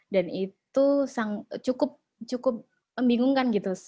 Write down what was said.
dan itu cukup membingungkan gitu